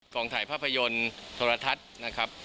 งถ่ายภาพยนตร์โทรทัศน์นะครับ